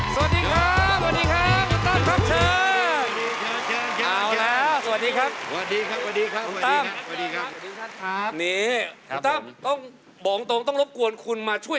สวัสดีครับสวัสดีครับคุณตั้มครับเชิญ